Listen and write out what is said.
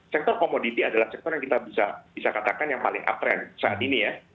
sektor komoditi adalah sektor yang kita bisa katakan yang paling uptrend saat ini ya